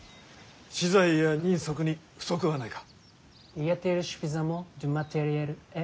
資材や人足に不足はないか？